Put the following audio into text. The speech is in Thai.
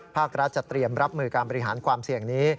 ภาครัฐจะเตรียมรับมือการบริหารความเสี่ยงนี้